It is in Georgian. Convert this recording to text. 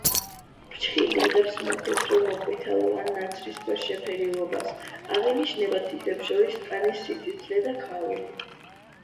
ფრჩხილი იღებს მოთეთრო, მოყვითალო ან ნაცრისფერ შეფერილობას, აღინიშნება თითებს შორის კანის სიწითლე და ქავილი.